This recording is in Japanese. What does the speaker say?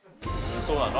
そうなの？